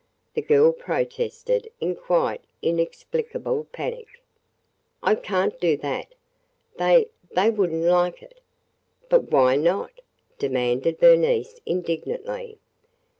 the girl protested in quite inexplicable panic. "I can't do that. They – they would n't like it." "But why not?" demanded Bernice indignantly.